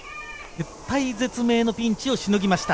絶体絶命のピンチをしのぎました。